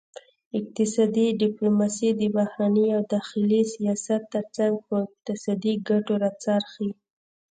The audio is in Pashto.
اقتصادي ډیپلوماسي د بهرني او داخلي سیاست ترڅنګ په اقتصادي ګټو راڅرخي